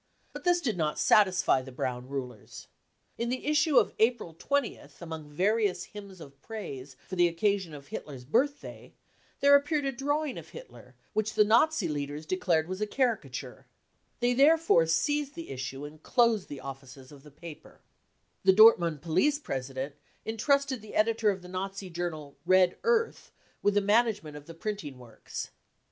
But this did not satisfy the Brown rulers. In the issue of April 20th, among various hymns of praise for the occasional Hitler's birthday, there appeared a drawing of Hitler wifeich the Nazi leaders declared was a caricature. They therefore seized the issue and closed the offices of the paper. The i iff THE CAMPAIGN AGAINST CULTURE I93 Dortmund police president entrusted the editor of the Nazi journal Red Earth with the management of the printing works.